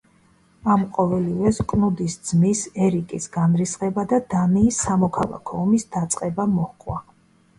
ამ ყოველივეს კნუდის ძმის, ერიკის განრისხება და დანიის სამოქალაქო ომის დაწყება მოჰყვა.